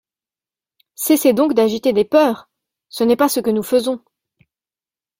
Cessez donc d’agiter des peurs ! Ce n’est pas ce que nous faisons.